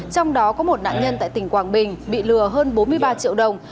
trong đó có một nạn nhân tại tỉnh quảng bình bị lừa hơn bốn mươi ba triệu đồng